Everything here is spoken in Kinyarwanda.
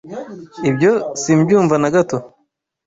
Ibyo simbyumva na gato.